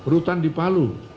rutan di palu